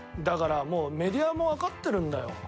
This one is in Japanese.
だから、もうメディアもわかってるんだよ。